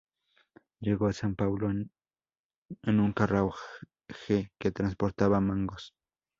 Llegó a São Paulo en un carruaje que transportaba mangos.